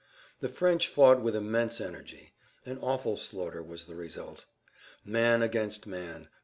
The French fought with immense energy; an awful slaughter was the result. Man against man!